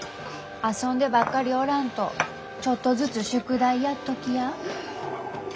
遊んでばっかりおらんとちょっとずつ宿題やっときや。